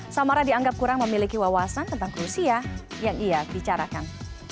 samara dianggap kurang memiliki wawasan tentang rusia yang ia bicarakan